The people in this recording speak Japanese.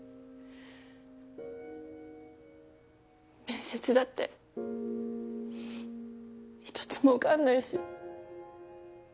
面接だって一つも受かんないし。